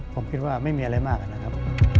ผมคิดว่าไม่มีอะไรมากนะครับ